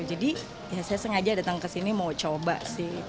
jadi ya saya sengaja datang ke sini mau coba sih